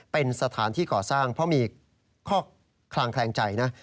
เป็นสถานที่ก่อสร้างเพราะมีข้อคลางแคลงใจนะ